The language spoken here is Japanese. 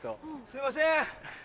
すいません！